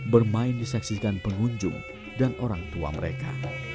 bermain disaksikan pengunjung dan orang tua mereka